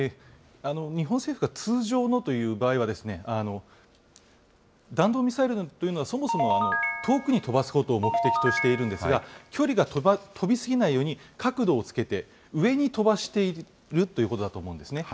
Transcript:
日本政府が通常のという場合は、弾道ミサイルというのは、そもそも遠くに飛ばすことを目的としているんですが、距離が飛び過ぎないように角度をつけて、上に飛ばしているということだと思うんですね。